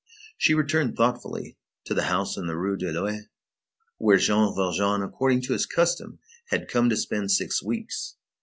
She returned thoughtfully to the house in the Rue de l'Ouest, where Jean Valjean, according to his custom, had come to spend six weeks.